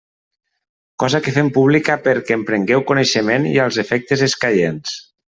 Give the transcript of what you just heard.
Cosa que fem pública perquè en prengueu coneixement i als efectes escaients.